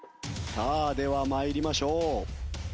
さあでは参りましょう。